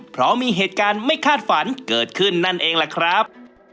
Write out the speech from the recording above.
เพราะมีเหตุการณ์ไม่คาดฝันเกิดขึ้นนั่นเองล่ะครับ